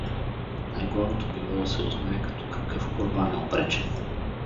Най-главното било да се узнае като какъв курбан е обречен.